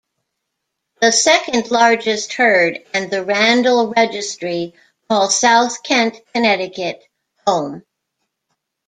The second largest herd, and the Randall Registry, call South Kent, Connecticut home.